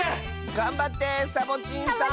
がんばってサボちんさん！